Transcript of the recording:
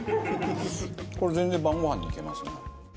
これ全然晩ごはんにいけますね。